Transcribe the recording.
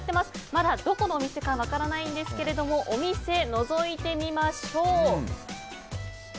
まだどこのお店か分からないんですがお店、のぞいてみましょう。